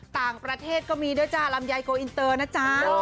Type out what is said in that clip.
ต่างประเทศก็มีด้วยจ้าลำไยโกอินเตอร์นะจ๊ะ